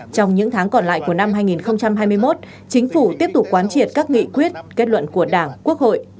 trong những tháng còn lại của năm hai nghìn hai mươi một chính phủ tiếp tục quán triệt các nghị quyết kết luận của đảng quốc hội